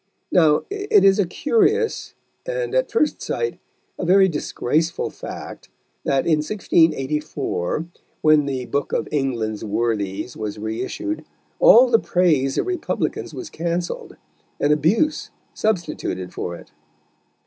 Now, it is a curious, and, at first sight, a very disgraceful fact, that in 1684, when the book of England's Worthies was re issued, all the praise of republicans was cancelled, and abuse substituted for it.